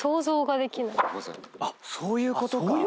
そういうことか。